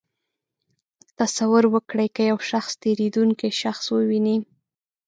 تصور وکړئ که یو شخص تېرېدونکی شخص وویني.